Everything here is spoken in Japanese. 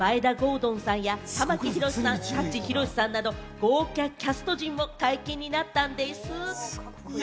敦さんや玉木宏さん、舘ひろしさんなど豪華キャスト陣も解禁になったんでぃす。